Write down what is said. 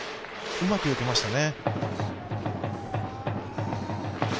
うまくよけましたね。